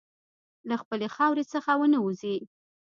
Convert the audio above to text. له خپلې خاورې څخه ونه وځې.